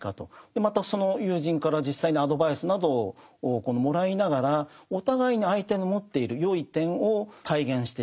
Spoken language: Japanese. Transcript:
またその友人から実際にアドバイスなどをもらいながらお互いに相手の持っている善い点を体現していく。